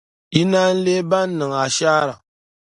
Yi naan leei ban niŋ ashaara.